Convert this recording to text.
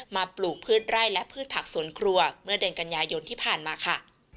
ปลูกพืชไร่และพืชผักสวนครัวเมื่อเดือนกันยายนที่ผ่านมาค่ะ